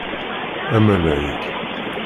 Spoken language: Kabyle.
Amalay.